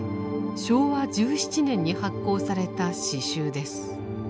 昭和１７年に発行された詩集です。